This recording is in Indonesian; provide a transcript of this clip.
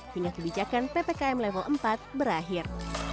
hingga kebijakan ppkm level empat berakhir